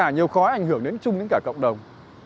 nó phải đến chung đến cả cộng đồng